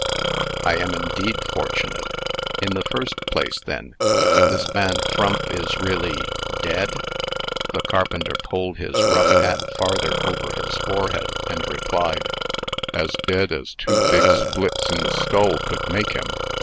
"I am indeed fortunate. In the first place, then this man Frump is really dead?" The carpenter pulled his rough hat farther over his forehead, and replied: "As dead as two big splits in the skull could make him.